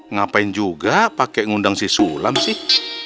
ngapain juga pakai ngundang si sulam sih